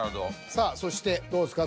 さあそしてどうですか？